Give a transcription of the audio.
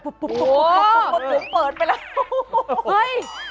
พูดเปิดไปแล้ว